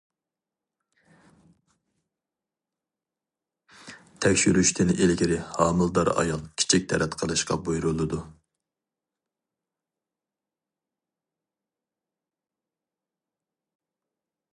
تەكشۈرۈشتىن ئىلگىرى ھامىلىدار ئايال كىچىك تەرەت قىلىشقا بۇيرۇلىدۇ.